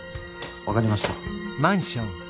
分かりました。